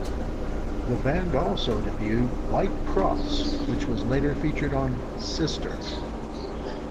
The band also debuted "White Kross", which was later featured on "Sister".